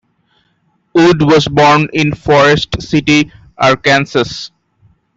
Wood was born in Forrest City, Arkansas.